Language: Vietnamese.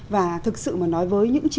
và thực sự mà nói với những